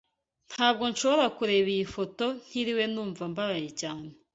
Ntabwo nshobora kureba iyi foto ntiriwe numva mbabaye cyane.